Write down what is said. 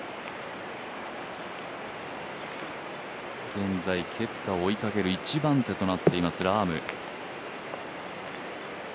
現在ケプカを追いかける１番手となっていますラーム。